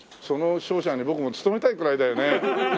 その商社に僕も勤めたいくらいだよね。